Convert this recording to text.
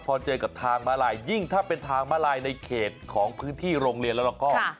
พอเจอกับทางมาลายยิ่งถ้าเป็นทางมาลายในเขตของพื้นที่โรงเรียนแล้วก็